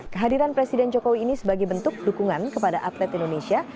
kehadiran presiden jokowi ini sebagai bentuk dukungan kepada atlet indonesia